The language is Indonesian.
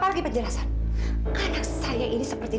selamat malam silahkan dok silahkan